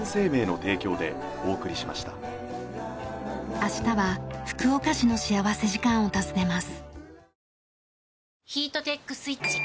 明日は福岡市の幸福時間を訪ねます。